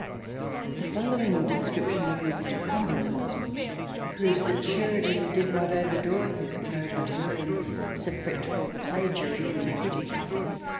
The following description of Mr. Cumberland proves that Sheridan did not overdraw his caricature in Sir Fretful Plagiary in the Critic.